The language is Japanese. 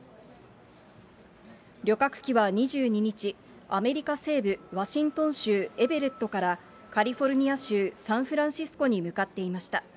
旅客機は２２日、アメリカ西部ワシントン州エベレットからカリフォルニア州サンフランシスコに向かっていました。